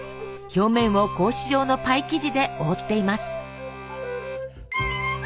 表面を格子状のパイ生地で覆っています。